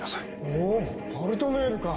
おお「パルトネール」か！